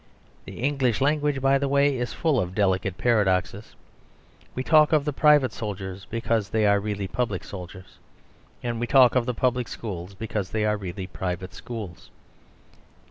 The English language, by the way, is full of delicate paradoxes. We talk of the private soldiers because they are really public soldiers; and we talk of the public schools because they are really private schools.